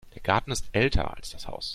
Der Garten ist älter als das Haus.